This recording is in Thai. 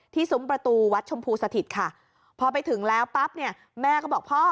ซุ้มประตูวัดชมพูสถิตค่ะพอไปถึงแล้วปั๊บเนี่ยแม่ก็บอกพ่อ